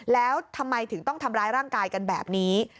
แล้วทำไมถึงต้องทำร้ายร่างกายกันแบบนี้